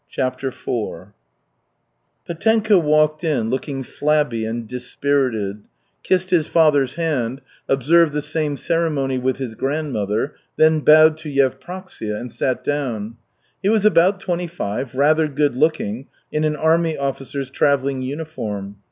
CHAPTER IV Petenka walked in looking flabby and dispirited, kissed his father's hand, observed the same ceremony with his grandmother, then bowed to Yevpraksia, and sat down. He was about twenty five, rather good looking, in an army officer's travelling uniform.